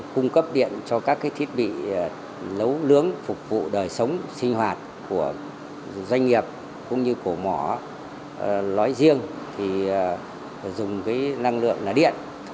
cung cấp điện cho các cái thiết bị nấu lướng phục vụ đời sống sinh hoạt của doanh nghiệp cũng như của mỏ lói riêng thì dùng cái năng lượng là điện